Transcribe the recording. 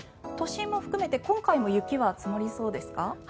都心も含めて今回も雪は積もりそうですか？